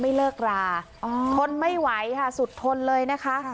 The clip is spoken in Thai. ไม่เลิกลาอ๋อทนไม่ไหวค่ะสุดทนเลยนะคะค่ะ